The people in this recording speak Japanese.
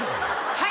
はい！